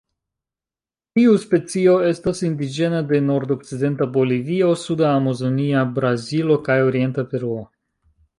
Tiu specio estas indiĝena de nordokcidenta Bolivio, suda Amazonia Brazilo kaj orienta Peruo.